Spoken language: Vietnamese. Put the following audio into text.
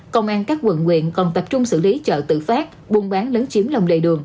công an các quận quyện còn tập trung xử lý chợ tự phát buôn bán lấn chiếm lồng đầy đường